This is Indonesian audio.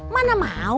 mana mau sama si aceh